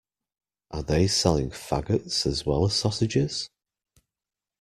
Are they selling faggots as well as sausages?